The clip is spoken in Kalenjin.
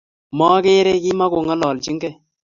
Mokerei kimakongalalchinkei